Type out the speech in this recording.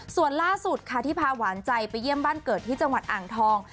ส่วนล่าสุดค่ะที่พาหวานใจไปเยี่ยมบ้านเกิดที่จังหวัดอ่างทอง